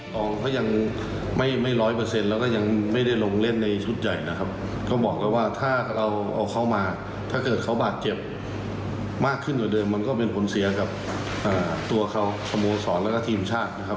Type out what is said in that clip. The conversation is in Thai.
ของเขายังไม่ร้อยเปอร์เซ็นต์แล้วก็ยังไม่ได้ลงเล่นในชุดใหญ่นะครับก็บอกแล้วว่าถ้าเราเอาเข้ามาถ้าเกิดเขาบาดเจ็บมากขึ้นกว่าเดิมมันก็เป็นผลเสียกับตัวเขาสโมสรแล้วก็ทีมชาตินะครับ